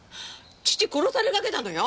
父殺されかけたのよ。